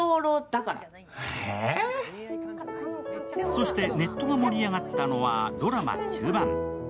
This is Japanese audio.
そしてネットが盛り上がったのはドラマ中盤。